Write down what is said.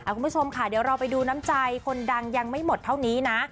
หนาผู้ชมค่ะเราก็ไปดูน้ำไจคนดังยังไม่หมดเท่านี้นะ